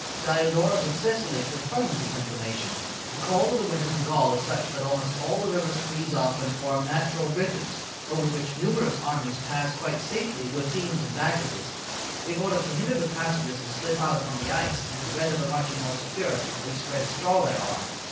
Diodorus of Sicily confirms this information: "The cold of the winters in Gaul is such that almost all the rivers freeze up and form natural bridges, over which numerous armies pass quite safely with teams and baggages; in order to hinder the passengers to slip out upon the ice and to render the marching more secure, they spread straw thereon."